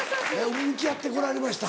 向き合ってこられました？